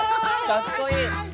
かっこいい！